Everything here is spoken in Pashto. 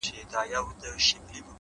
ه تا خو تل تر تله په خپگان کي غواړم،